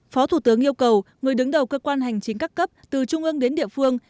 phó thủ tướng yêu cầu người đứng đầu cơ quan hành chính các cấp từ trung ương đến địa phương